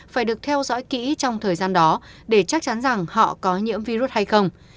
phải được theo dõi kỹ trong thời gian đó để chắc chắn rằng họ có nhiễm virus hay không